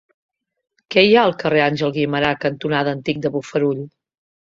Què hi ha al carrer Àngel Guimerà cantonada Antic de Bofarull?